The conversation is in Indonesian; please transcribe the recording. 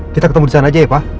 kita ketemu disana aja ya pak